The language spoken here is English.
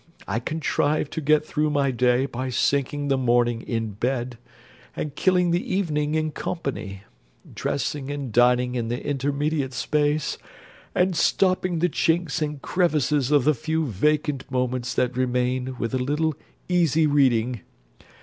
I contrive to get through my day by sinking the morning in bed, and killing the evening in company; dressing and dining in the intermediate space, and stopping the chinks and crevices of the few vacant moments that remain with a little easy reading.